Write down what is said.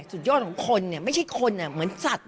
สุดยอดของคนเนี่ยไม่ใช่คนเหมือนสัตว์